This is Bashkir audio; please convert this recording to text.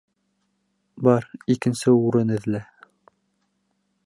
Бар, икенсе урын эҙлә!